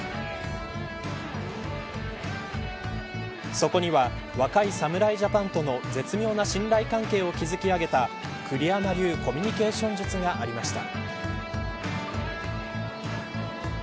そこには若い侍ジャパンとの絶妙な信頼関係を築き上げた栗山流コミュニケーション術がありました。